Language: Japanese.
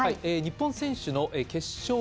日本選手の決勝